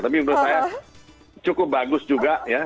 tapi menurut saya cukup bagus juga ya